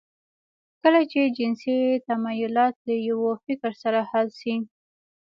کله چې جنسي تمایلات له یوه فکر سره حل شي